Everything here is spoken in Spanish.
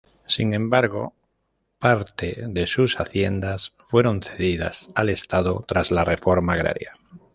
Sin embargo, parte de sus haciendas fueron cedidas al Estado tras la reforma agraria.